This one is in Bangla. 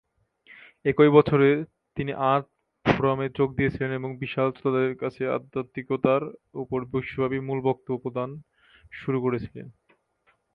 একই বছরে, তিনি আর্থ ফোরামে যোগ দিয়েছিলেন এবং বিশাল শ্রোতাদের কাছে আধ্যাত্মিকতার উপর বিশ্বব্যাপী মূল বক্তব্য প্রদান শুরু করেছিলেন।